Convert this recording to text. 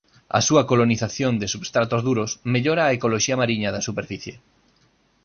A súa colonización de substratos duros mellora a ecoloxía mariña da superficie.